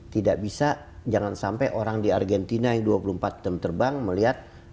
tidak bisa jangan sampai orang di argentina yang dua puluh empat jam terbang melihat